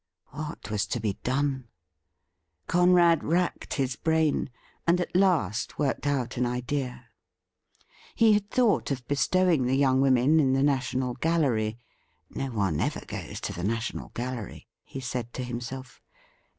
What was to be done ? Conrad racked his brain, and at last worked out an idea. He had thought of bestow ing the young women in the National Gallery —' No one ever goes to the National Gallery,' he said to himself.